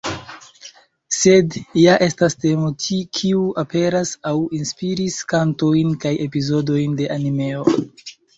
Sed ja estas temo kiu aperas aŭ inspiris kantojn kaj epizodojn de animeo.